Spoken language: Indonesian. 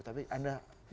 tapi anda silahkan